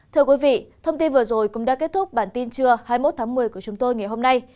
thưa quý vị thông tin vừa rồi cũng đã kết thúc bản tin trưa hai mươi một tháng một mươi của chúng tôi ngày hôm nay